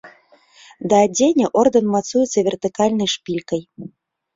Да адзення ордэн мацуецца вертыкальнай шпількай.